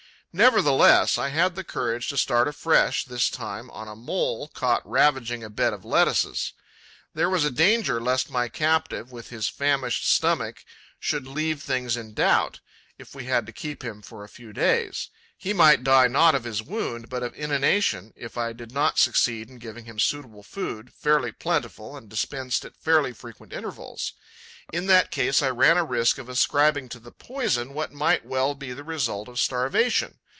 Nevertheless, I had the courage to start afresh, this time on a Mole caught ravaging a bed of lettuces. There was a danger lest my captive, with his famished stomach, should leave things in doubt, if we had to keep him for a few days. He might die not of his wound, but of inanition, if I did not succeed in giving him suitable food, fairly plentiful and dispensed at fairly frequent intervals. In that case, I ran a risk of ascribing to the poison what might well be the result of starvation.